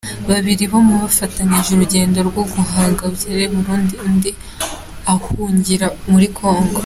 Babiri muri bo bafatanyije urugendo rwo guhunga berekeza i Burundi undi ahungira muri Congo.